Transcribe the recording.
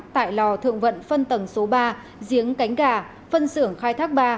tại lò thượng vận phân tầng số ba giếng cánh gà phân xưởng khai thác ba